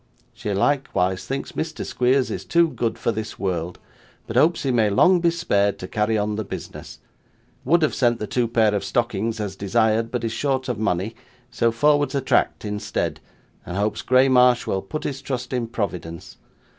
She likewise thinks Mr. Squeers is too good for this world; but hopes he may long be spared to carry on the business. Would have sent the two pair of stockings as desired, but is short of money, so forwards a tract instead, and hopes Graymarsh will put his trust in Providence.